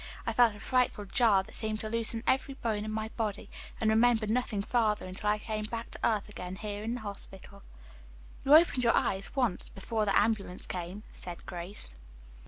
I felt a frightful jar that seemed to loosen every bone in my body, and remembered nothing further until I came back to earth again, here in the hospital." "You opened your eyes, once, before the ambulance came," said Grace.